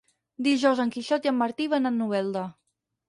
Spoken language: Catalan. Dijous en Quixot i en Martí van a Novelda.